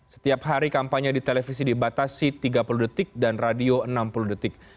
setiap hari kampanye di televisi dibatasi tiga puluh detik dan radio enam puluh detik